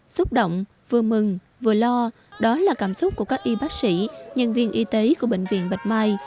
xúc động vừa mừng vừa lo đó là cảm xúc của các y bác sĩ nhân viên y tế của bệnh viện bạch mai